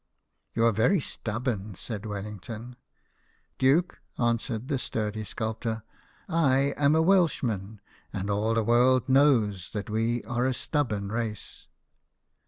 " You are very stubborn," said Wellington. " Duke," answered the sturdy sculptor, " I am a Welshman, and all the world knows that we are a stubborn race."